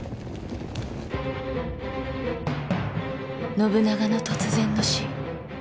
信長の突然の死。